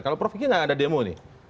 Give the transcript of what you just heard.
kalau prof kiki nggak ada demo nih